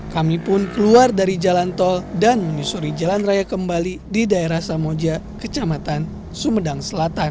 kami pun keluar dari jalan tol dan menyusuri jalan raya kembali di daerah samoja kecamatan sumedang selatan